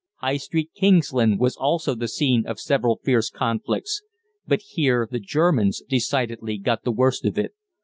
High Street, Kingsland, was also the scene of several fierce conflicts; but here the Germans decidedly got the worst of it.